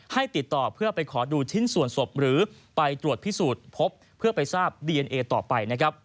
ให้ติดต่อเพื่อไปขอดูชิ้นส่วนศพหรือไปตรวจพิสูจน์พบเพื่อไปทราบดีเอนเอต่อไปนะครับ